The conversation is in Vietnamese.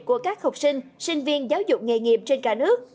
của các học sinh sinh viên giáo dục nghề nghiệp trên cả nước